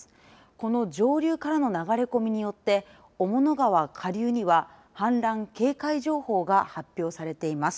この上流からの流れ込みによって雄物川下流には氾濫警戒情報が発表されています。